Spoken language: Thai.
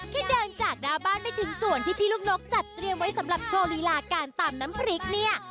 แค่เดินจากดาบาลไปถึงสวนที่พี่ลูกหนกจัดเตรียมไว้สำหรับโชว์ฬีราคตามน้ำพริกเนี่ย